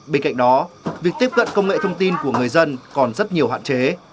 bên cạnh đó việc tiếp cận công nghệ thông tin của người dân còn rất nhiều hạn chế